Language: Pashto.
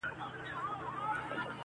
کفن په غاړه ګرځومه قاسم یاره پوه یم,